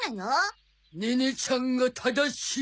ネネちゃんが正しい。